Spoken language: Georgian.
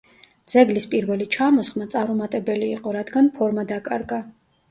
ძეგლის პირველი ჩამოსხმა წარუმატებელი იყო, რადგან ფორმა დაკარგა.